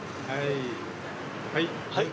はいはい。